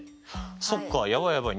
そっかやばいやばい。